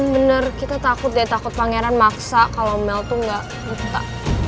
bener kita takut ya takut pangeran maksa kalau omel tuh gak lupa